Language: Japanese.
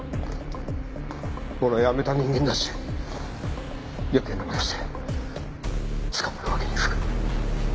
俺は辞めた人間だし余計なまねして捕まるわけにいくか！